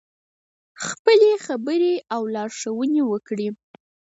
خپلې خبرې او لارښوونې وکړې.